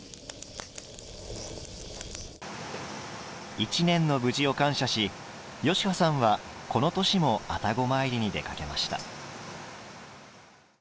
一年の無事を感謝し吉羽さんはこの年も愛宕詣りに出かけました。